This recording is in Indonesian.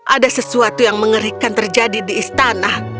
ada sesuatu yang mengerikan terjadi di istana